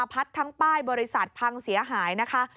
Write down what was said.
พัดทั้งป้ายบริษัทพังเสียหายนะคะ